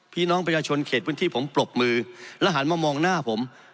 พี่น้องประชาชนเขตพื้นที่ผมปรบมือและหันมามองหน้าผม